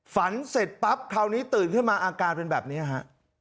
เสร็จปั๊บคราวนี้ตื่นขึ้นมาอาการเป็นแบบนี้ฮะ